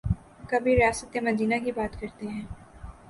کبھی ریاست مدینہ کی بات کرتے ہیں۔